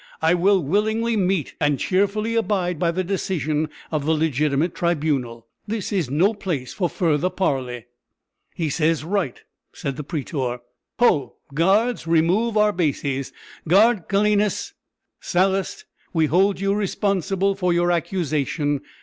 I will willingly meet, and cheerfully abide by the decision of, the legitimate tribunal. This is no place for further parley." "He says right." said the prætor. "Ho! guards remove Arbaces guard Calenus! Sallust, we hold you responsible for your accusation.